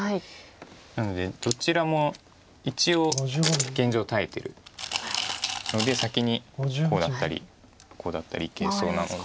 なのでどちらも一応現状耐えてるので先にこうだったりこうだったりいけそうなので。